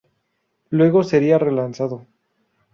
Luego sería relanzado.